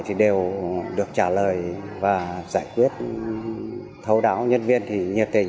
thì đều được trả lời và giải quyết thấu đáo nhân viên thì nhiệt tình